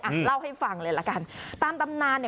เล่าให้ฟังเลยละกันตามตำนานเนี่ย